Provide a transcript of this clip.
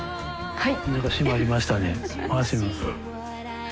はい。